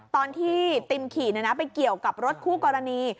ตอนที่ติมขี่ไปเกี่ยวกับรถคู่กรณี